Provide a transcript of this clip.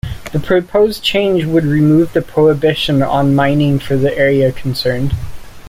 The proposed change would remove the prohibition on mining for the area concerned.